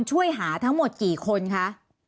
ช่วยหาทั้งหมดกี่คนคะ